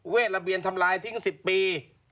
ระเบียนทำลายทิ้ง๑๐ปี